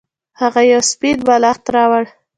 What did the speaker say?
هغه یو سپین بالښت راوړ.